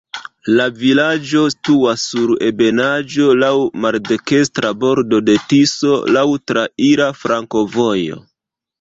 La vilaĝo situas sur ebenaĵo, laŭ maldekstra bordo de Tiso, laŭ traira flankovojo.